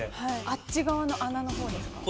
あっち側の穴の方ですか？